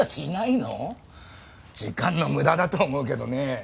時間の無駄だと思うけどねえ。